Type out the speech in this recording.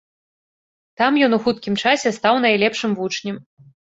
Там ён у хуткім часе стаў найлепшым вучнем.